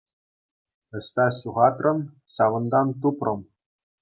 Ӑҫта ҫухатрӑн, ҫавӑнтан тупрӑм.